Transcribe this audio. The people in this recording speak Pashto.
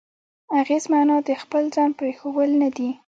اغېز معنا د خپل ځان پرېښوول نه دی.